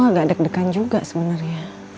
aku agak deg degan juga sebenernya